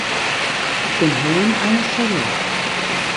Auf dem Helm eine Schelle.